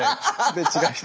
で違う人。